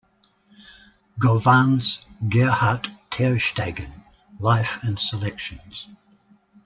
Govan's, "Gerhard Tersteegen: Life and Selections".